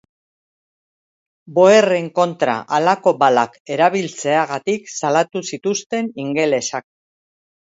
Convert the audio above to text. Boerren kontra halako balak erabiltzeagatik salatu zituzten ingelesak.